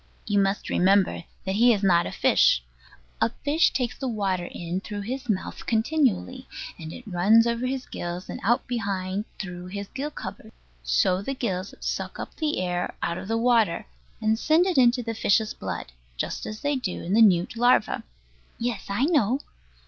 You must remember that he is not a fish. A fish takes the water in through his mouth continually, and it runs over his gills, and out behind through his gill covers. So the gills suck up the air out of the water, and send it into the fish's blood, just as they do in the newt larva. Yes, I know.